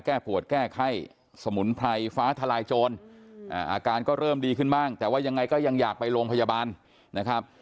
แก้ปวดแก้ไข้สมุนไพรฟ้าทลายโจรอาการก็เริ่มดีขึ้นบ้างแต่ว่ายังไงก็ยังอยากไปโรงพยาบาลนะครับ